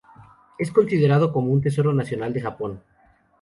Es considerado como un Tesoro Nacional de Japón.